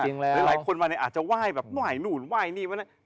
มีหลายคนมาอาจจะไหว้แบบไหว้หนูนไหว้นี่แบบนั้น